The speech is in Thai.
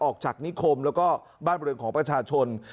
ออกจากนิคมแล้วก็บ้านบริเวณของประชาชน